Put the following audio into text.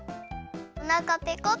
おなかペコペコ！